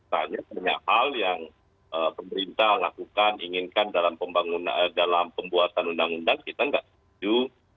hanya banyak hal yang pemerintah lakukan inginkan dalam pembuatan undang undang kita nggak setuju